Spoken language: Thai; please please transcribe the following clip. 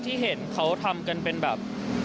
ที่เห็นเขาทำกันเป็นแบบ